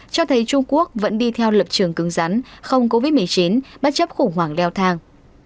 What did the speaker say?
cho thấy trung quốc vẫn đi theo lập trường cứng rắn không covid một mươi chín bất chấp khủng hoảng leo thang